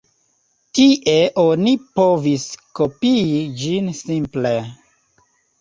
Tie oni povis kopii ĝin simple.